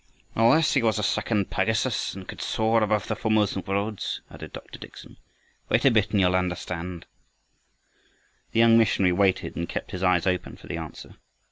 "Unless he was a second Pegasus, and could soar above the Formosan roads," added Dr. Dickson. "Wait a bit and you'll understand." The young missionary waited, and kept his eyes open for the answer.